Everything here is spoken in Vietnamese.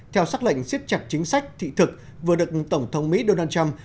theo xác lệnh siết chặt chính sách thị thực vừa được tổng thống mỹ donald trump